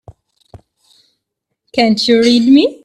Can't you read me?